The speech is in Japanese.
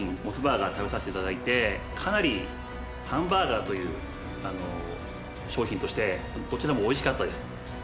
モスバーガー食べさせていただいてかなりハンバーガーという商品としてどちらもおいしかったです。